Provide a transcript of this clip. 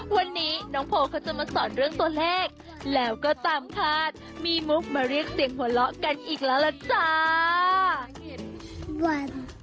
วันนี้น้องโพเขาจะมาสอนเรื่องตัวเลขแล้วก็ตามคาดมีมุกมาเรียกเสียงหัวเราะกันอีกแล้วล่ะจ้า